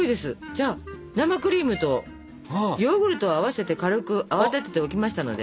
じゃあ生クリームとヨーグルトを合わせて軽く泡立てておきましたので。